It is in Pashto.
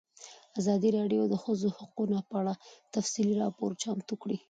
ازادي راډیو د د ښځو حقونه په اړه تفصیلي راپور چمتو کړی.